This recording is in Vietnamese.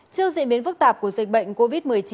trước diễn biến phức tạp của dịch bệnh covid một mươi chín